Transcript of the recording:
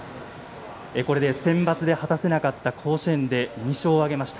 これでセンバツで果たせなかった甲子園２勝を挙げました。